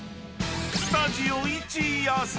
［スタジオ１位予想］